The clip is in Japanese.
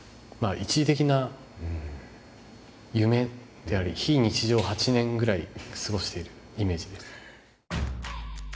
一時的な夢であり非日常を８年ぐらい過ごしているイメージです。